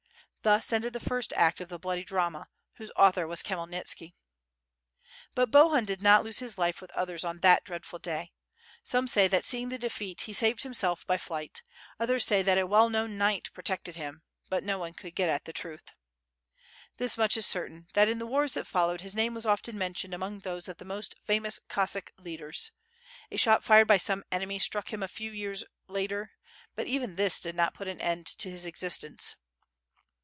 Thus ended the first act of the bloody drama, whose author was Khmyelnitski. But Bohun did not lose his life with others on that dread ful day. Some say that seeing the defeat he saved himself by flignt, others say that a well known knight protected him, but no one could get at the truth. This much is certain that in the wars that followed, his name was often mentioned among those of the most famous Cossack leaders. A shot fired by some enemy, struck him a few years later, but even this did not put an end to his exist ence.